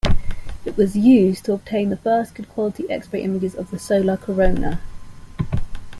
It was used to obtain the first good-quality X-ray images of the solar corona.